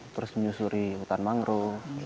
terus menyusuri hutan mangrove